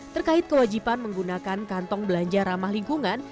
terkait kewajiban menggunakan kantong belanja ramah lingkungan